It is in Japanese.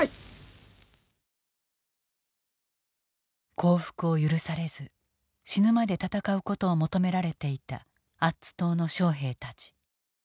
降伏を許されず死ぬまで戦うことを求められていたアッツ島の将兵たち。